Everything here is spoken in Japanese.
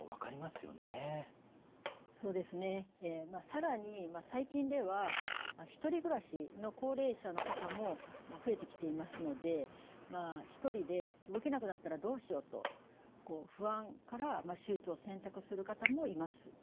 更に最近では独り暮らしの高齢者の方も増えてきていますので一人で動けなくなったらどうしようと不安から手術を選択する方もいます。